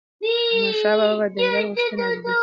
احمدشاه بابا به د ملت غوښتنې اوريدي